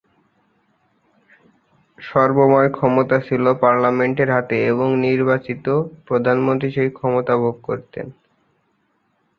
সর্বময় ক্ষমতা ছিলো পার্লামেন্টের হাতে এবং নির্বাচিত প্রধানমন্ত্রী সেই ক্ষমতা ভোগ করতেন।